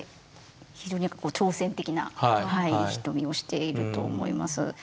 非常に挑戦的な瞳をしていると思います。